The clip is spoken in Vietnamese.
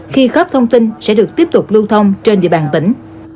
khi khớp thông tin sẽ được tiếp tục lưu thông trên địa bàn tỉnh